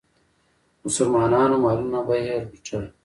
مسلمانانو مالونه به یې لوټل.